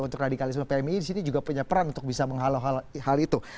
untuk radikalisme pmi disini juga punya peran untuk bisa menghalau hal itu